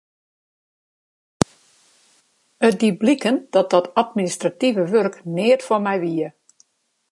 It die bliken dat dat administrative wurk neat foar my wie.